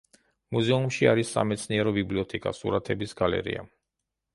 მუზეუმში არის სამეცნიერო ბიბლიოთეკა, სურათების გალერეა.